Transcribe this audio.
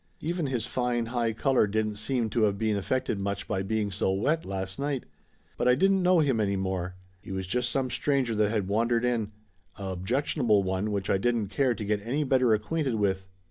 Even his fine high color didn't seem to of been affected much by being so wet last night. But I didn't know him any more. He was just some stranger that had wandered in: a objectionable one which I didn't care to get any better acquainted with.